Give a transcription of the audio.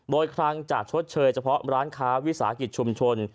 โดยครั้งจะชดเชยเฉพาะร้านค้าวิสาหกิจชุมชน